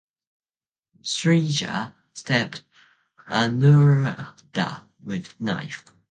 Sreeja stabbed Anuradha with knife.